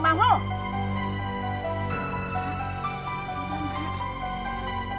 semua yang berada di